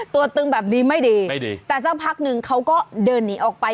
ตึงแบบนี้ไม่ดีไม่ดีแต่สักพักนึงเขาก็เดินหนีออกไป